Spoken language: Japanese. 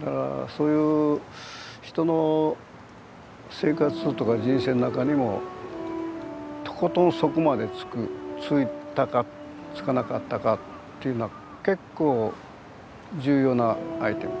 だからそういう人の生活とか人生の中にもとことん底までつくついたかつかなかったかっていうのは結構重要なアイテム。